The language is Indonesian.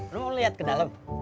lo mau liat ke dalam